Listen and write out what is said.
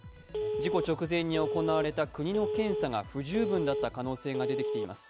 事故直前に行われた国の検査が不十分だった可能性が出てきています。